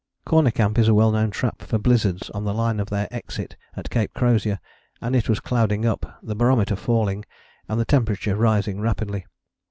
Corner Camp is a well known trap for blizzards on the line of their exit at Cape Crozier, and it was clouding up, the barometer falling, and the temperature rising rapidly.